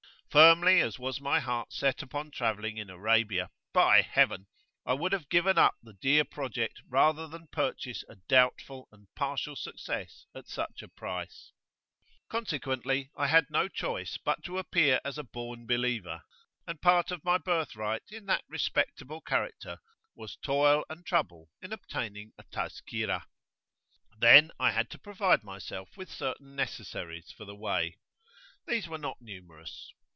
Firmly as was my heart set upon travelling in Arabia, by Heaven! I would have given up the dear project rather than purchase a doubtful and partial success at such a price. Consequently, I had no choice but to appear as a born believer, and part of my birthright in that respectable character was toil and trouble in obtaining a Tazkirah.[FN#10] Then I had to provide myself with certain necessaries for the way. These were not numerous.